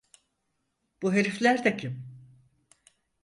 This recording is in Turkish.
Bu herifler de kim?